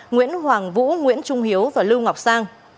nguyễn hoàng vũ nguyễn trung hiếu và lưu ngọc sang